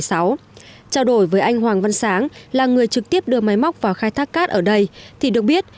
trao đổi với anh hoàng văn sáng là người trực tiếp đưa máy móc vào khai thác cát ở đây thì được biết